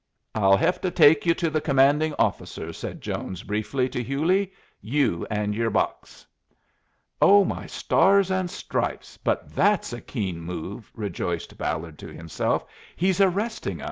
"I'll hev to take you to the commanding officer," said Jones, briefly, to Hewley. "You and yer box." "Oh, my stars and stripes, but that's a keen move!" rejoiced Ballard to himself. "He's arresting us."